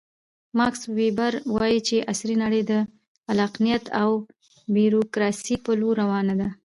ماکس ویبر وایي چې عصري نړۍ د عقلانیت او بیروکراسۍ په لور روانه ده.